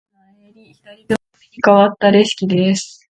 まず前襟、左組にかわったレシキです。